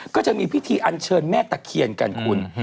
ก็จะมีพิธีอันเชิญแม่ตะเคียนกันคุณ